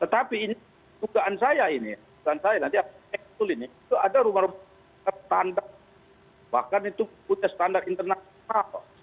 tugaan saya ini tugaan saya nanti itu ada rumah rumah standar bahkan itu punya standar internasional